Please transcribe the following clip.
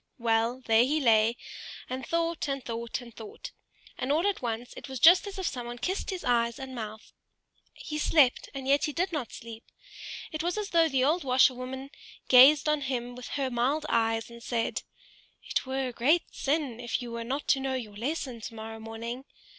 Well, there he lay, and thought and thought, and all at once it was just as if someone kissed his eyes and mouth: he slept, and yet he did not sleep; it was as though the old washerwoman gazed on him with her mild eyes and said, "It were a great sin if you were not to know your lesson tomorrow morning.